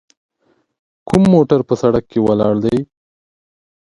کوم موټر په سړک کې ولاړ دی؟